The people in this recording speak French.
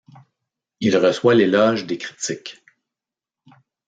Il reçoit l’éloge des critiques.